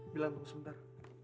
bilang tunggu sebentar